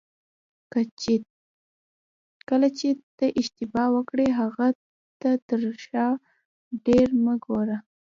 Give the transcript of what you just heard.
کله چې ته اشتباه وکړې هغې ته تر شا ډېر مه ګوره.